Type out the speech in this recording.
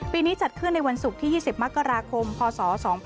นี้จัดขึ้นในวันศุกร์ที่๒๐มกราคมพศ๒๕๖